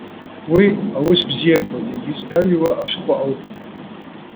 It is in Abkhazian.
Уи, аус бзиақәа зегьы зҭарҩуа ашәҟәы ауп.